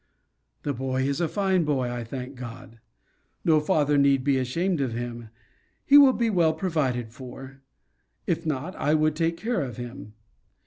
The boy is a fine boy I thank God. No father need be ashamed of him. He will be well provided for. If not, I would take care of him.